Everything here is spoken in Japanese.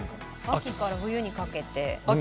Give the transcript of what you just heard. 秋から冬にかけて？